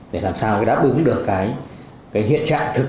để làm sao mới đáp ứng được cái hiện trạng thực